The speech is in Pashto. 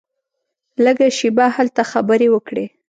لږه شېبه هلته خبرې وکړې.